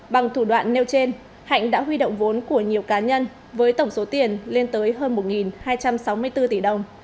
bằng thủ đoạn nêu trên hạnh đã huy động vốn của nhiều cá nhân với tổng số tiền lên tới hơn một hai trăm sáu mươi bốn tỷ đồng